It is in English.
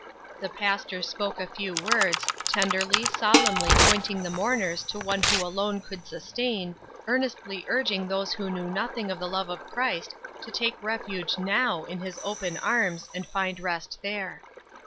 The pastor spoke a few words, tenderly, solemnly pointing the mourners to One who alone could sustain, earnestly urging those who knew nothing of the love of Christ to take refuge now in his open arms and find rest there.